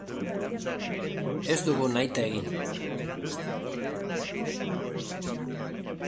Ez dugu nahita egin.